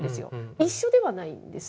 一緒ではないんです。